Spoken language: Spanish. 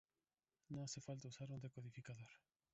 no hace falta usar un decodificador